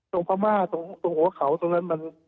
ตรงภาม่าตรงโอวะเขาตรงนั้นมัน